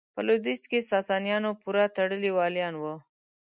په لوېدیځ کې ساسانیانو پوره تړلي والیان وو.